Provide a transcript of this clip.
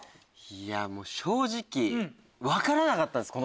いやもう正直分からなかったんです